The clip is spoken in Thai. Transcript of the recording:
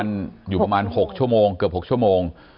มันอยู่ประมาณ๖ชั่วโมงเกือบ๖ชั่วโมง